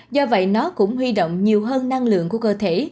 do vậy nó cũng huy động nhiều hơn năng lượng của cơ thể